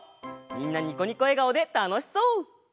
みんなニコニコえがおでたのしそう！